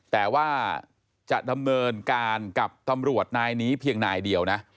แต่ว่าจะดำเนินการกับตำรวจนายนี้เพียงนายเดียวนะ